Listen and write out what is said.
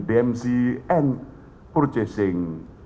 dan membeli durian musim